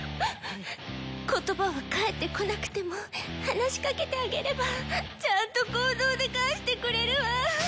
言葉は返ってこなくても話しかけてあげればちゃんと行動で返してくれるわ。